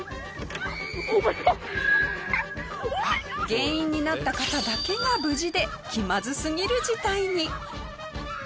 原因になった方だけが無事で気まずすぎる事態に。